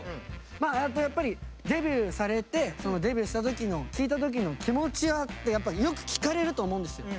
やっぱりデビューされてデビューした時の「聞いた時の気持ちは？」ってよく聞かれると思うんですよ。